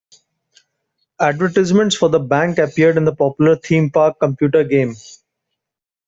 Advertisements for the bank appeared in the popular "Theme Park" computer game.